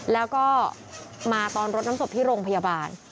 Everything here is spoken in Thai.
แล้วก็มาตอนรดน้ำศพที่โรงพยาบาล